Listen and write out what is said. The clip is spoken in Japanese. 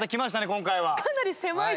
今回は。